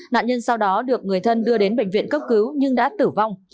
nạn nhân sau đó được người thân đưa đến bệnh viện cấp cứu nhưng đã tử vong